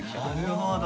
なるほど。